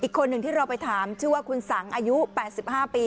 อีกคนหนึ่งที่เราไปถามชื่อว่าคุณสังค์อายุปัจจุ๕ปี